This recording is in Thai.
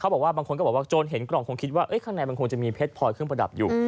บอกว่าบางคนก็บอกว่าโจรเห็นกล่องคงคิดว่าข้างในมันคงจะมีเพชรพลอยเครื่องประดับอยู่